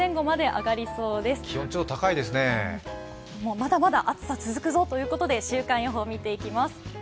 まだまだ暑さ続くということで、週間予報を見ていきます。